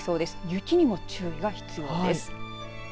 雪にも注意が必要です。